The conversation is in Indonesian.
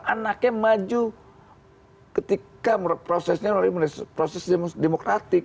anaknya maju ketika prosesnya melalui proses demokratik